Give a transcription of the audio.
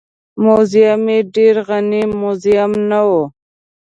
موزیم یې ډېر غني موزیم نه و.